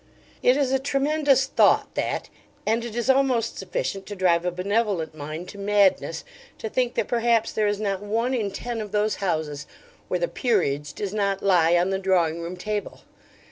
It is a tremendous thought that; and it is almost sufficient to drive a benevolent mind to madness to think that perhaps there is not one in ten of those houses where the 'Peerage' does not lie on the drawing room table.